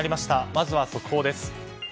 まずは、速報です。